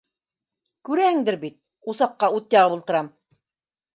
Күрәһеңдер бит: усаҡҡа ут яғып ултырам.